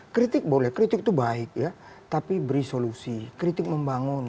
kritik boleh kritik itu baik ya tapi beri solusi kritik membangun